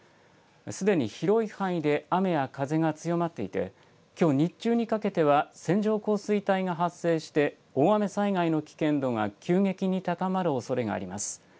すでに広い範囲で雨や風が強まっていて、きょう日中にかけては、線状降水帯が発生して、大雨災害の危険度が急激に高まるおそれがあります。